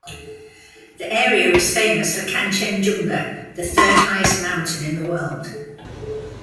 The area is famous for Kanchenjunga - the third highest mountain in the world.